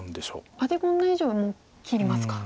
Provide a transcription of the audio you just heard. アテ込んだ以上はもう切りますか。